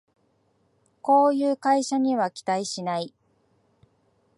こういう会社には期待しない